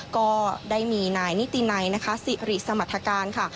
ก็ได้มีนายนิตินัยนะคะสิริสมรรถการค่ะ